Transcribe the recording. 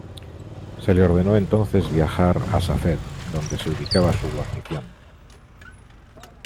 Se le ordenó entonces viajar a Safed, donde se ubicaba su guarnición.